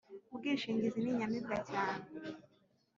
ubwishingizi ninyamibwa cyane